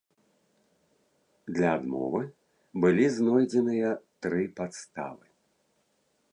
Для адмовы былі знойдзеныя тры падставы.